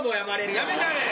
やめたれ。